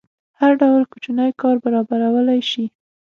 هر ډول کوچنی کار برابرولی شي.